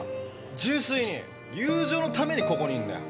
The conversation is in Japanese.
純粋に友情のためにここにいんだよ。